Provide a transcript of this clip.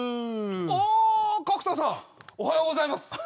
あ角田さんおはようございます。